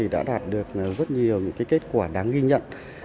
đã đạt được rất nhiều những kết quả đáng ghi nhận